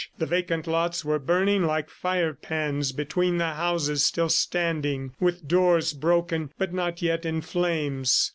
The vacant lots were burning like fire pans between the houses still standing, with doors broken, but not yet in flames.